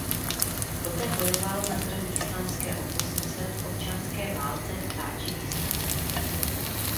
Poté bojoval na straně islámské opozice v občanské válce v Tádžikistánu.